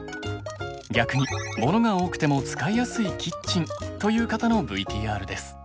逆にモノが多くても使いやすいキッチンという方のＶＴＲです。